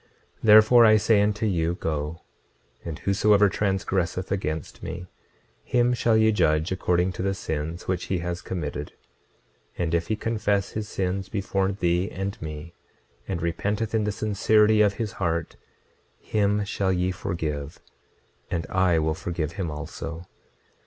26:29 Therefore I say unto you, Go; and whosoever transgresseth against me, him shall ye judge according to the sins which he has committed; and if he confess his sins before thee and me, and repenteth in the sincerity of his heart, him shall ye forgive, and I will forgive him also.